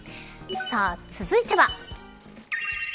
続いては。